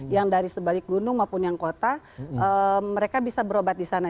yang dari sebalik gunung maupun yang kota mereka bisa berobat di sana